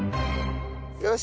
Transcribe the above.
よし！